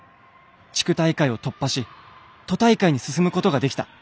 地区大会を突破し都大会に進むことができた。